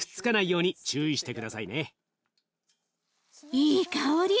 いい香り。